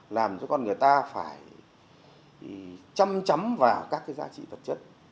làm cho con người ta phải chăm chấm vào các cái giá trị vật chất